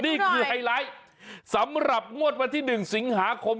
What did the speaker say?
ไฮไลท์สำหรับงวดวันที่๑สิงหาคม